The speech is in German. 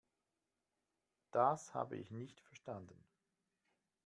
Das habe ich nicht verstanden.